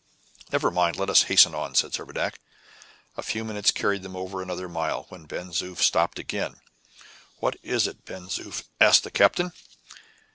"Never mind, let us hasten on," said Servadac. A few minutes carried them over another mile, when Ben Zoof stopped again. "What is it, Ben Zoof?" asked the captain.